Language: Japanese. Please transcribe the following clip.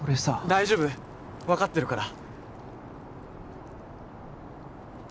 大丈夫分かってるから